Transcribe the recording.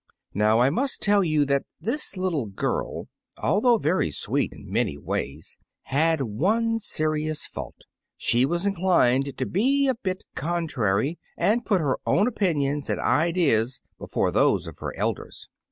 Now I must tell you that this little girl, although very sweet in many ways, had one serious fault. She was inclined to be a bit contrary, and put her own opinions and ideas before those of her elders.